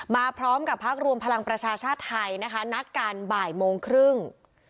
มาพร้อมกับพักรวมพลังประชาชาติไทยนะคะนัดกันบ่ายโมงครึ่ง